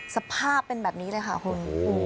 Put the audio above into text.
สภาพเป็นแบบนี้เลยค่ะคุณ